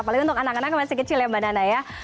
apalagi untuk anak anak masih kecil ya mbak nana ya